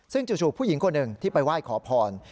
ซึ่งจู่ผู้หญิงคนหนึ่งที่ไปไหว้ขอพร